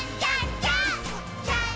ジャンプ！！」